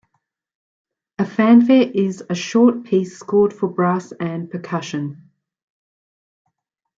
A fanfare is a short piece scored for brass and percussion.